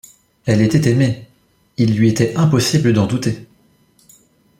Elle était aimée! il lui était impossible d’en douter.